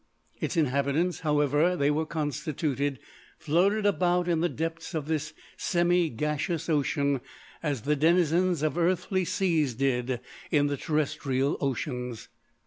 Its inhabitants, however they were constituted, floated about in the depths of this semi gaseous ocean as the denizens of earthly seas did in the terrestrial oceans.